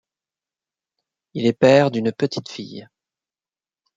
Il est père d'une petite fille.